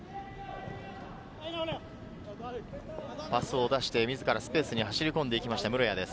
パスを出して自らスペースに走り込んで行きました室屋です。